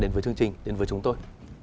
cho chương trình đến với chúng tôi